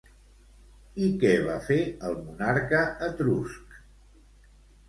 I què va fer el monarca etrusc?